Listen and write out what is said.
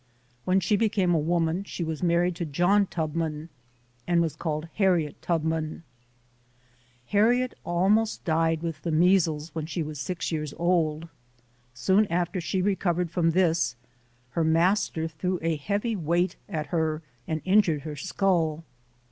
When she became a woman she was married to John Tubman and was called Harriet Tubman. Harriet almost died with the measles when she was six years old. Soon after she recovered from this, her master threw a heavy weight at her and 88 ] UNSUNG HEROES injured her skull.